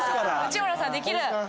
内村さん「できる」。